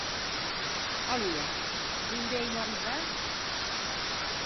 Aloa, dond’eimo arrivæ?